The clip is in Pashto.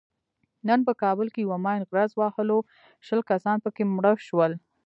نن په کابل کې یوه ماین غرز وهلو شل کسان پکې مړه شول.